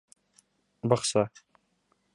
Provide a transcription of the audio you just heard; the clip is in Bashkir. Баҡса.